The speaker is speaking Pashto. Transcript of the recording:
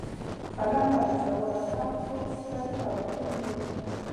قلم له بېسواده خلکو ستر توپیر لري